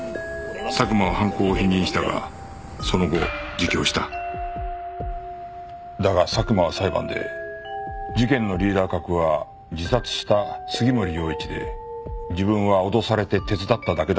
佐久間は犯行を否認したがその後自供しただが佐久間は裁判で事件のリーダー格は自殺した杉森陽一で自分は脅されて手伝っただけだと主張した。